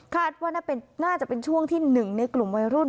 คาดว่าน่าจะเป็นช่วงที่๑ในกลุ่มวัยรุ่น